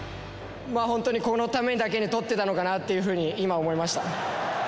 本当にこのためだけに取ってたのかなっていうふうに、今思いました。